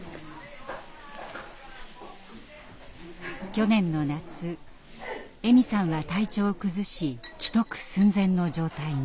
去年の夏エミさんは体調を崩し危篤寸前の状態に。